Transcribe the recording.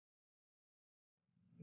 terima kasih ya